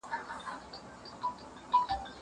زه اوس مېوې راټولوم!